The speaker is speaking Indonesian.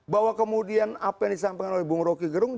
bahwa kemudian apa yang disampaikan oleh bu roki gerung